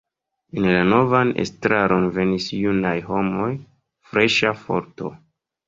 En la novan estraron venis junaj homoj, freŝa forto.